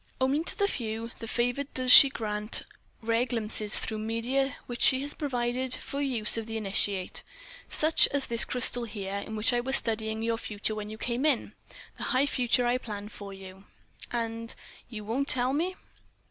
Only to the few, the favoured, does she grant rare glimpses through media which she has provided for the use of the initiate—such as this crystal here, in which I was studying your future, when you came in, the high future I plan for you." "And—you won't tell me?"